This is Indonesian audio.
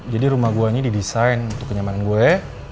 jadi rumah gue ini didesain untuk kenyamanan gue